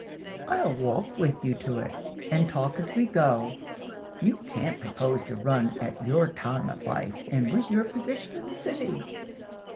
"I'll walk with you to it, and talk as we go. You can't propose to run at your time of life, and with your position in the city!